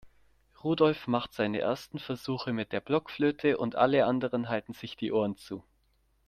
Rudolf macht seine ersten Versuche mit der Blockflöte und alle anderen halten sich die Ohren zu.